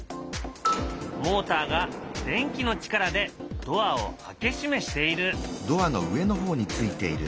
モーターが電気の力でドアを開け閉めしている。